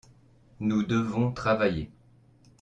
Nous devons travailler.